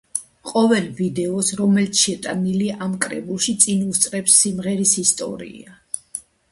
ყოველ ვიდეოს, რომელიც შეტანილია ამ კრებულში, წინ უსწრებს სიმღერის ისტორია.